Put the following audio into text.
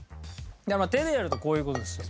手でやるとこういう事ですよ。